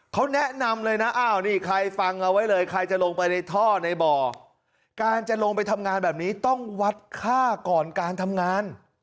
เขาแนะนำเลยนะอ้าวนี่ใครฟังเอาไว้เลยใครจะลงไปในท่อในบ่อการจะลงไปทำงานแบบนี้ต้องวัดค่าก่อนการทำงาน